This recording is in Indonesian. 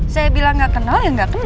saya bilang gak kenal yang gak kenal